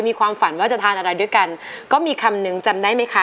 มีความฝันว่าจะทานอะไรด้วยกันก็มีคำนึงจำได้ไหมคะ